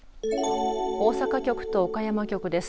大阪局と岡山局です。